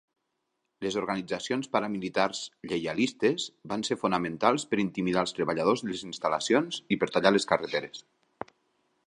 Les organitzacions paramilitars lleialistes van ser fonamentals per intimidar els treballadors de les instal·lacions i per tallar les carreteres.